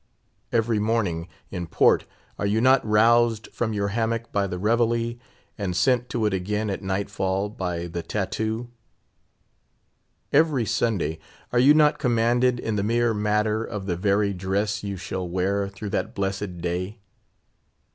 Every morning, in port, are you not roused from your hammock by the reveille, and sent to it again at nightfall by the tattoo? Every Sunday are you not commanded in the mere matter of the very dress you shall wear through that blessed day?